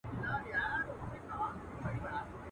چي زاغان مي خوري ګلشن او غوټۍ ورو ورو.